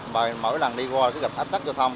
và mỗi lần đi qua cứ gặp thách thách giao thông